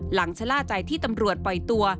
ชะล่าใจที่ตำรวจปล่อยตัว